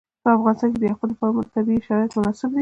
په افغانستان کې د یاقوت لپاره طبیعي شرایط مناسب دي.